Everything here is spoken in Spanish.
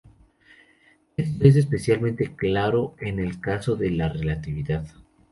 Esto es especialmente claro en el caso de la Relatividad.